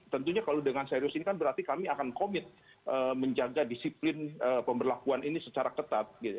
tentunya kalau dengan serius ini kan berarti kami akan komit menjaga disiplin pemberlakuan ini secara ketat